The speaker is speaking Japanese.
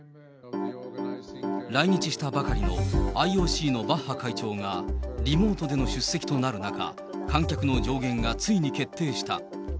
来日したばかりのＩＯＣのバッハ会長が、リモートでの出席となる中、観客の上限がついに決定した。